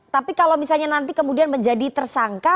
tapi kalau misalnya nanti kemudian menjadi tersangka